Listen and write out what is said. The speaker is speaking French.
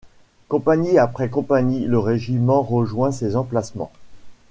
Compagnie après compagnie, le régiment rejoint ses emplacements.